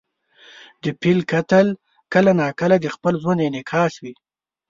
د فلم کتل کله ناکله د خپل ژوند انعکاس وي.